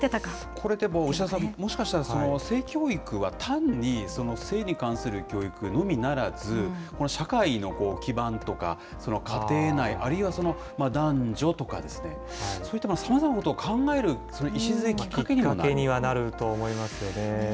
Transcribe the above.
これ、でも、牛田さん、もしかしたら、性教育は単に性に関する教育のみならず、社会の基盤とか、家庭内、あるいは男女とかですね、そういったさまざまなことを考える礎、きっかけにはなると思います